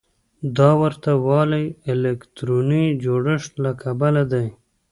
دا ورته والی د الکتروني جوړښت له کبله دی.